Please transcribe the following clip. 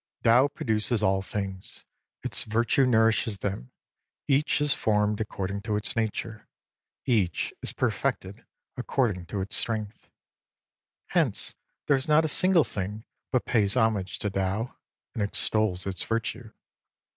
Tao produces all things ; its Virtue nourishes them ; each is formed according to its nature ; each is perfected according to its strength. Hence there is not a single thing but pays homage to Tao and extols its Virtue.